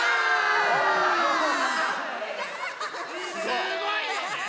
すごいよね。